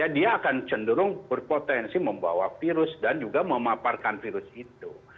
dia akan cenderung berpotensi membawa virus dan juga memaparkan virus itu